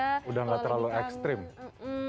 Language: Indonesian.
sudah tidak terlalu ekstrim